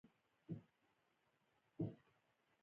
بادام د افغانانو د معیشت سرچینه ده.